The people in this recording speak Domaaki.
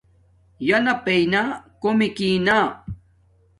ینݳ پئنݳ کݸمݵک نݳ.